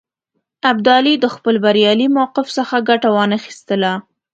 ابدالي د خپل بریالي موقف څخه ګټه وانه خیستله.